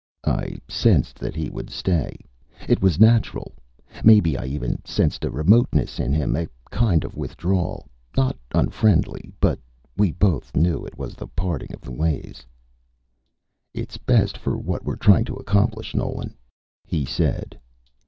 I sensed that he would stay. It was natural. Maybe I even sensed a remoteness in him, a kind of withdrawal. Not unfriendly, but ... we both knew it was the parting of the ways. "It's best for what we're trying to accomplish, Nolan," he said.